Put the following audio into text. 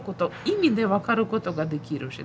意味で分かることができるし。